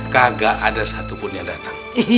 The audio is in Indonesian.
kagak ada satupun yang datang